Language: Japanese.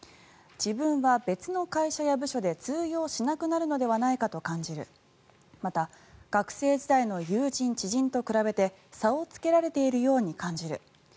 自分は別の会社や部署で通用しなくなるのではないかと感じるまた、学生時代の友人、知人と比べて差をつけられているように感じる。